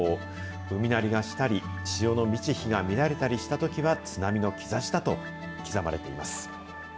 海鳴りがしたり、潮の満ち干が乱れたりしたときは、津波の兆しだと刻まれています。